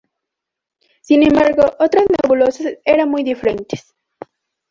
Sin embargo otras nebulosas eran muy diferentes.